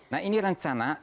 nah ini rencana